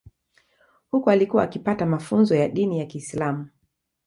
Huko alikuwa akipata mafunzo ya dini ya Kiislam